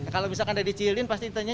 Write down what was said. kalau misalkan ada di cililin pasti ditanya